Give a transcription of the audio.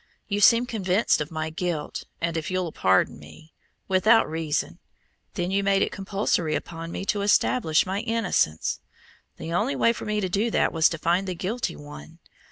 You seemed convinced of my guilt, and, if you'll pardon me, without reason; then you made it compulsory upon me to establish my innocence. The only way for me to do that was to find the guilty one.